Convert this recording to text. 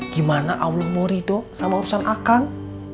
gimana allah mau ridho sama urusan akan